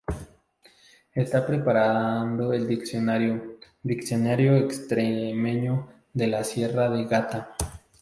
Está preparando el diccionario "Diccionario extremeño de la Sierra de Gata".